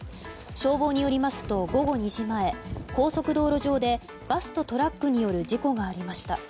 消防によりますと午後２時前高速道路上でバスとトラックによる事故がありました。